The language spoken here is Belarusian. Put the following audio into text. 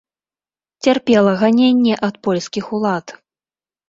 Цярпела ганенні ад польскіх улад.